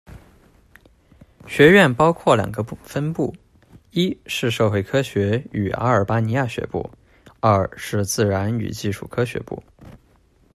学院包括两个分部，一是社会科学与阿尔巴尼亚学部，二是自然与技术科学部。